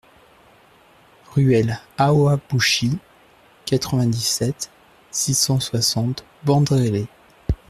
Ruelle Haoibouchie, quatre-vingt-dix-sept, six cent soixante Bandrélé